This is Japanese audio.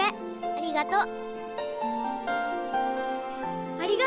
・ありがとう。